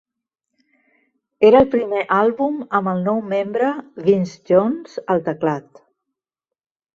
Era el primer àlbum amb el nou membre Vince Jones al teclat.